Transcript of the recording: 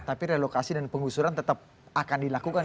tapi relokasi dan penggusuran tetap akan dilakukan